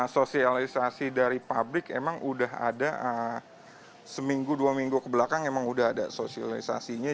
sosialisasi dari pabrik emang udah ada seminggu dua minggu kebelakang emang udah ada sosialisasinya